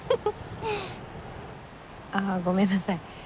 ああごめんなさい。